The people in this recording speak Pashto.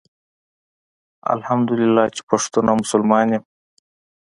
الحمدالله چي پښتون او مسلمان يم